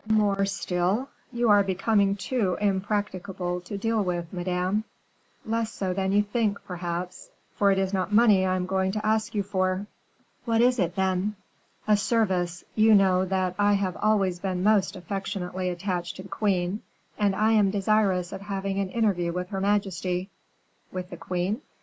"More still! you are becoming too impracticable to deal with, madame." "Less so than you think, perhaps, for it is not money I am going to ask you for." "What is it, then?" "A service; you know that I have always been most affectionately attached to the queen, and I am desirous of having an interview with her majesty." "With the queen?"